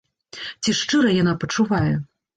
Ці шчыра яна пачувае?